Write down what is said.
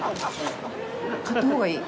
買ったほうがいい。